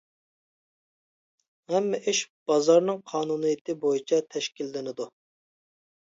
ھەممە ئىش بازارنىڭ قانۇنىيىتى بويىچە تەشكىللىنىدۇ.